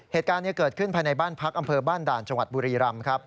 เหตุการณ์นี้เกิดขึ้นภายในบ้านพักอำเภอบ้านด่านจังหวัดบุรีรำครับ